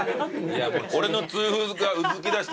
俺の痛風がうずきだしてる。